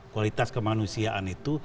kualitas kemanusiaan itu